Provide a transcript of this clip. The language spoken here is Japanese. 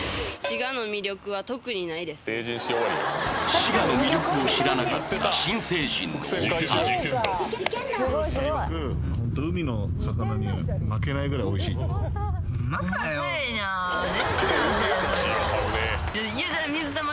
滋賀の魅力を知らなかった新成人のお二人ほんま